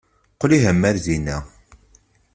Qel ihi a mmi ɣer dinna.